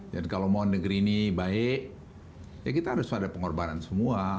jadi kalau mau negeri ini baik ya kita harus ada pengorbanan semua